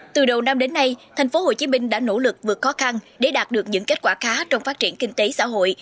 từ đầu năm đến nay tp hcm đã nỗ lực vượt khó khăn để đạt được những kết quả khá trong phát triển kinh tế xã hội